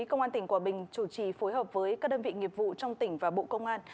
công an tỉnh quảng bình chủ trì phối hợp với các đơn vị nghiệp vụ trong tỉnh và bộ công an